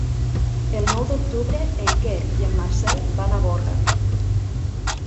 El nou d'octubre en Quer i en Marcel van a Gorga.